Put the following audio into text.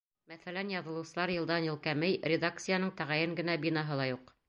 Мәҫәлән, яҙылыусылар йылдан-йыл кәмей, редакцияның тәғәйен генә бинаһы ла юҡ.